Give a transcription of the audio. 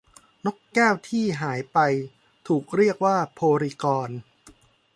นกแก้วที่หายไปถูกเรียกว่าโพลีกอน